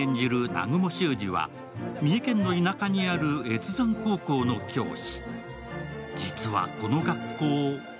南雲脩司は三重県の田舎にある越山高校の教師。